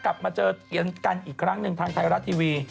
กลับมาเจอกันอีกครั้งหนึ่งทางไทยรัฐทีวี